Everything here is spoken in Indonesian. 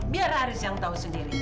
biar aris yang tahu sendiri